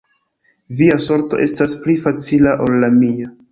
Via sorto estas pli facila ol la mia.